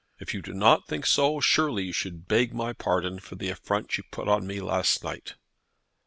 If you do not think so, surely you should beg my pardon for the affront you put on me last night."